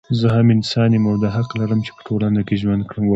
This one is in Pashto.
زه هم انسان يم او دا حق لرم چې په ټولنه کې ژوند وکړم